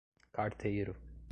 carteiro